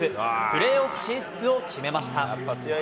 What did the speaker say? プレーオフ進出を決めました。